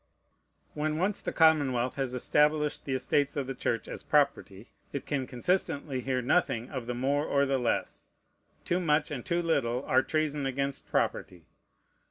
When once the commonwealth has established the estates of the Church as property, it can consistently hear nothing of the more or the less. Too much and too little are treason against property.